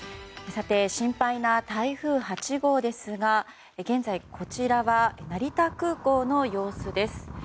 さて、心配な台風８号ですが現在こちらは成田空港の様子です。